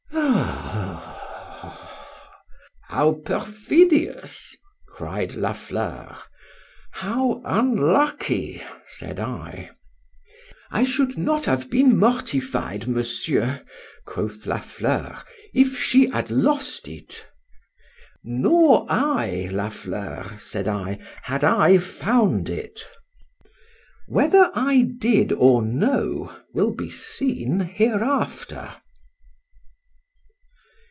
—How perfidious! cried La Fleur.—How unlucky! said I. —I should not have been mortified, Monsieur, quoth La Fleur, if she had lost it.—Nor I, La Fleur, said I, had I found it. Whether I did or no will be seen hereafter.